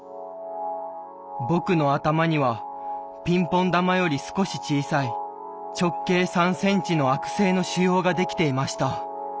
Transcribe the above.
僕の頭にはピンポン玉より少し小さい直径３ｃｍの悪性の腫瘍ができていました。